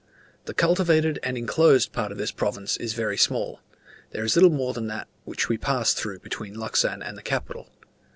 The cultivated and enclosed part of this province is very small; there is little more than that which we passed through between Luxan and the capital.